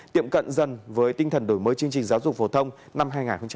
tiệm cận dần với tinh thần đổi mới chương trình giáo dục phổ thông năm hai nghìn hai mươi